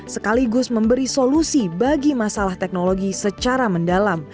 sekaligus memberi solusi bagi masalah teknologi secara mendalam